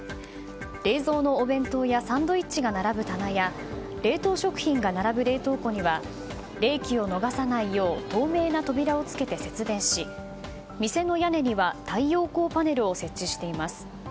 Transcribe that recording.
冷蔵のお弁当やサンドイッチが並ぶ棚や冷凍食品が並ぶ冷凍庫には冷気を逃さないよう透明な扉をつけて節電し店の屋根には太陽光パネルを設置しています。